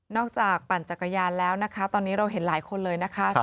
จากปั่นจักรยานแล้วนะคะตอนนี้เราเห็นหลายคนเลยนะคะ